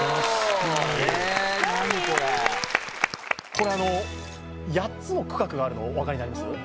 これあの８つの区画があるのお分かりになります？